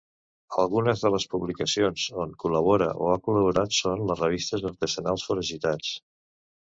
Algunes de les publicacions on col·labora o ha col·laborat són les revistes artesanals Foragitats.